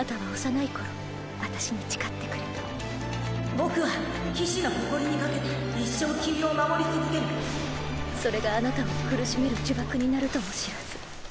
僕は騎士の誇りに懸けて一生君を守それがあなたを苦しめる呪縛になるとも知らずはあ！